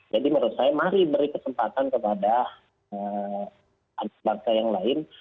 jadi menurut saya mari beri kesempatan kepada anak bangsa yang lain